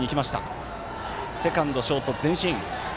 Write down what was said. セカンド、ショート前進。